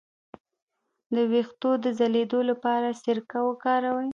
د ویښتو د ځلیدو لپاره سرکه وکاروئ